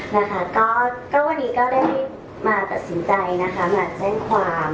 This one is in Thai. วันนี้ก็ได้มาตัดสินใจมาแจ้งความ